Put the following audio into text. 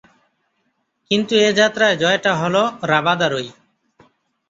কিন্তু এ যাত্রায় জয়টা হলো রাবাদারই।